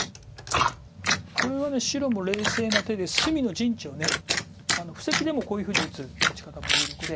これは白も冷静な手で隅の陣地を布石でもこういうふうに打つ打ち方も有力で。